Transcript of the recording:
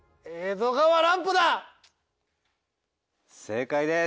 正解です。